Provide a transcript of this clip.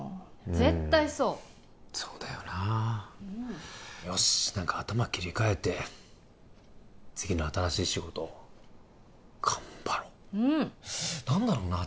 絶対そうそうだよなよしっなんか頭切り替えて次の新しい仕事頑張ろううん何だろうな